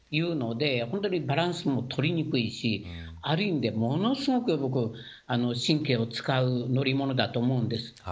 本当にバランスも取りにくいしある意味でものすごく神経を使う乗り物だと思うんです。